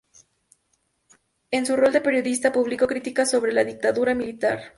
En su rol de periodista, publicó críticas sobre la dictadura militar.